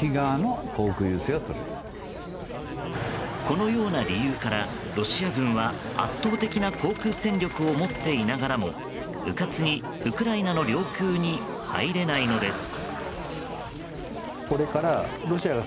このような理由からロシア軍は圧倒的な航空戦力を持っていながらもうかつにウクライナの領空に入れないのです。